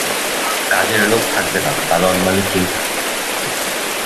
কাজের লোক থাকবে না, দারোয়ান মালী কেউ থাকবে না।